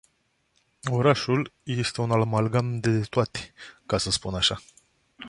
Orașul e un amalgam de detoate, ca să spun așa.